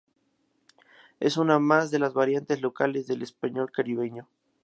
Es una más de las variantes locales del español caribeño.